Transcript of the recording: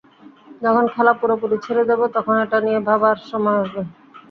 যখন খেলা পুরোপুরি ছেড়ে দেব, তখন এটা নিয়ে ভাবার সময় আসবে।